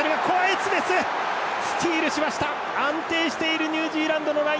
スチールしました！